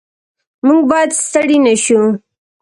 موږ باید ستړي نه شو.